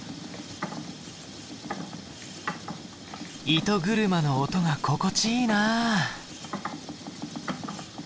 糸車の音が心地いいな。